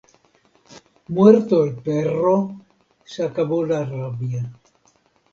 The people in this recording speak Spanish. Muerto el perro, se acabo la rabia.